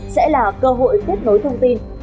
sẽ là cơ hội kết nối thông tin